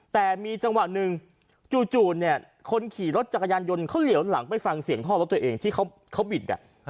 แต่มีจังหวะหนึ่งจู่เนี่ยคนขี่รถจักรยานยนต์เขาเหลียวหลังไปฟังเสียงท่อรถตัวเองที่เขาบิด